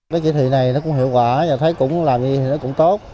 cái kế thị này nó cũng hiệu quả làm gì thì cũng tốt